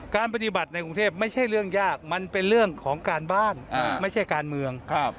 การปฏิบัติในกรุงเทพไม่ใช่เรื่องยากมันเป็นเรื่องของการบ้านไม่ใช่การเมือง